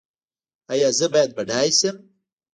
ایا زه باید بډای شم؟